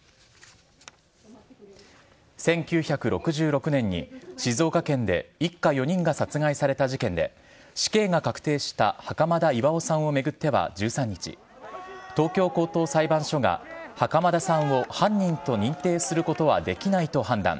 １９６６年に静岡県で一家４人が殺害された事件で死刑が確定した袴田巌さんを巡っては１３日東京高等裁判所が袴田さんを犯人と認定することはできないと判断。